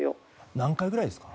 何回ぐらいですか？